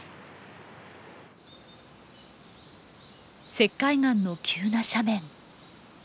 石灰岩の急な斜面。